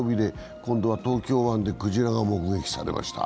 今度は、東京湾でクジラが目撃されました。